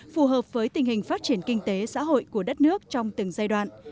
phù hợp với tình hình phát triển kinh tế xã hội của đất nước trong từng giai đoạn